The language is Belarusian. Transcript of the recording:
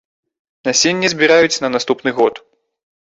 Насенне збіраюць на наступны год.